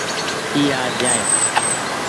اي آج جآئي۔